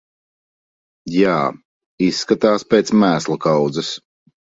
Jā, izskatās pēc mēslu kaudzes.